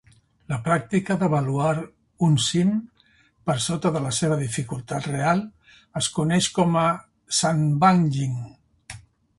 La pràctica d'avaluar un cim per sota de la seva dificultat real es coneix com a "sandbagging".